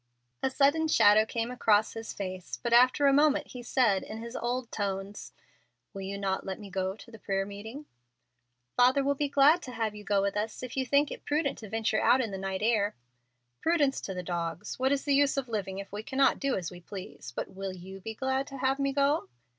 A sudden shadow came across his face, but after a moment he said, in his old tones: "Will you not let me go to the prayer meeting?" "Father will be glad to have you go with us, if you think it prudent to venture out in the night air." "Prudence to the dogs! What is the use of living if we cannot do as we please? But will you be glad to have me go?"